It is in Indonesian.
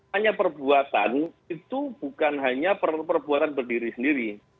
hanya perbuatan itu bukan hanya perbuatan berdiri sendiri